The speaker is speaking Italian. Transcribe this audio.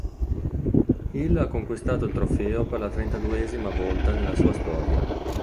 Il ha conquistato il trofeo per la trentaduesima volta nella sua storia.